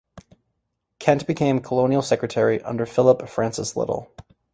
Kent became Colonial Secretary under Philip Francis Little.